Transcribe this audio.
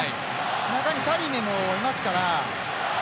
中にタレミもいますから。